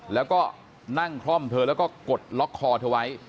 แล้วก็นั่งคล่อมเธอแล้วก็กดล็อกคอเธอไว้